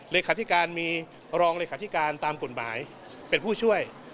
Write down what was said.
เลขาธิการมีรองเลขาธิการตามกฎหมายเป็นผู้ช่วย